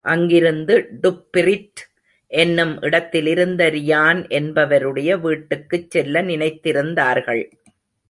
அங்கிருந்து டுப்பிரிட் என்னும் இடத்திலிருந்த ரியான் என்பவருடைய வீட்டுக்குச் செல்ல நினைத்திருந்தார்கள்.